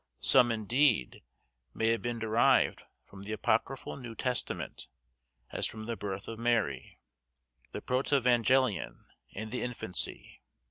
Some, indeed, may have been derived from the Apocryphal New Testament, as from the birth of Mary, the Protevangelion, and the infancy.